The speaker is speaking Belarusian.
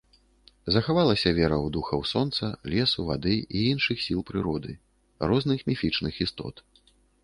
Захавалася вера ў духаў сонца, лесу, вады і іншых сіл прыроды, розных міфічных істот.